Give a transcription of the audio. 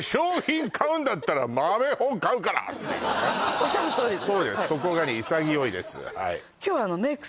おっしゃるとおりです